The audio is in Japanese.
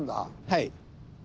はい。